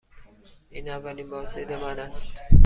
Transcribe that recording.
این اولین بازدید من است.